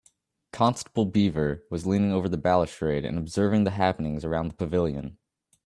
Constable Beaver was leaning over the balustrade and observing the happenings around the pavilion.